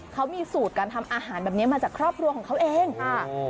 เขามีสูตรการทำอาหารแบบนี้มาจากครอบครัวของเขาเองค่ะ